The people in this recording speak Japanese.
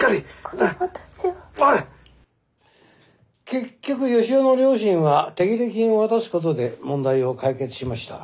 結局義雄の両親は手切れ金を渡すことで問題を解決しました。